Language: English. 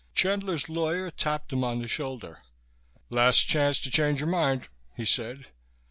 Chandler's lawyer tapped him on the shoulder. "Last chance to change your mind," he said.